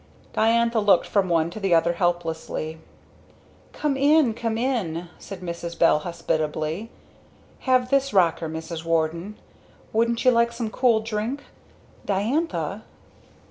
Diantha looked from one to the other helplessly. "Come in! Come in!" said Mrs. Bell hospitably. "Have this rocker, Mrs. Warden wouldn't you like some cool drink? Diantha?"